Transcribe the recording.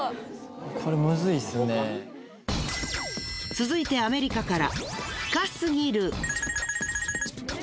続いてアメリカから。